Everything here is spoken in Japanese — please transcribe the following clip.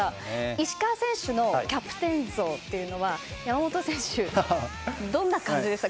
石川選手のキャプテン像というのは山本選手、どんな感じでした？